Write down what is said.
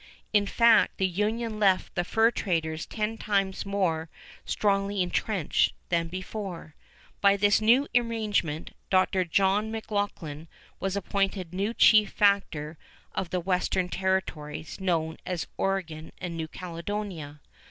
In fact, the union left the fur traders ten times more strongly intrenched than before. By the new arrangement Dr. John McLoughlin was appointed chief factor of the western territories known as Oregon and New Caledonia.